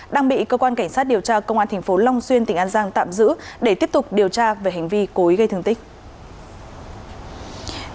đang bị cơ quan cảnh sát điều tra công an thành phố long xuyên tỉnh an giang tạm giữ để tiếp tục điều tra về hành vi cố ý gây thương tích